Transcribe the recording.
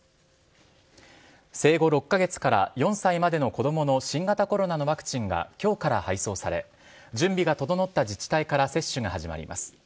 生後６か月から４歳までの子どもの新型コロナのワクチンがきょうから配送され、準備が整った自治体から接種が始まります。